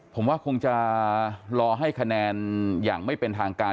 ผมว่าคงจะรอให้คะแนนอย่างไม่เป็นทางการ